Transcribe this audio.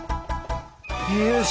よし。